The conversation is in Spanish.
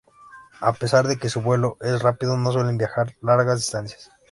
A pesar de que su vuelo es rápido, no suelen viajar largas distancias.